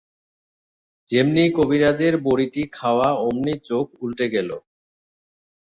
যেমনি কবিরাজের বড়িটি খাওয়া অমনি চোখ উলটে গেল।